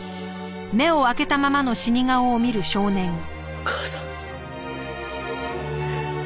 お母さん。